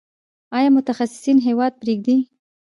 آیا متخصصین هیواد پریږدي؟